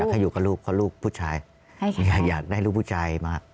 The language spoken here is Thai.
ถ้าอยู่กับลูกกับลูกผู้ชายอยากได้ลูกผู้ชายมา